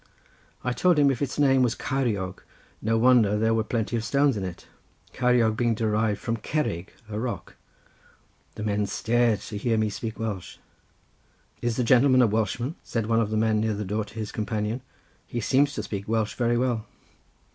I told him if its name was Ceiriog no wonder there were plenty of stones in it, Ceiriog being derived from Cerrig, a rock. The men stared to hear me speak Welsh. "Is the gentleman a Welshman?" said one of the men, near the door, to his companion; "he seems to speak Welsh very well."